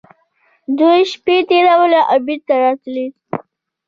دوې شپې يې تېرولې او بيا بېرته راته.